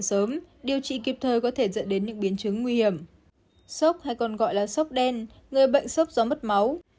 sốc hay còn gọi là sốc đen người bệnh sốc do mất máu